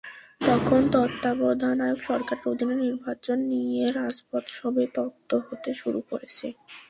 তখন তত্ত্বাবধায়ক সরকারের অধীনে নির্বাচন নিয়ে রাজপথ সবে তপ্ত হতে শুরু করেছে।